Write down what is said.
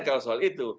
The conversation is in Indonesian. kalau soal itu